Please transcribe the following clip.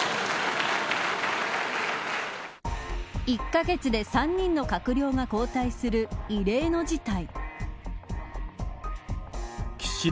１カ月で３人の閣僚が交代する異例の事態。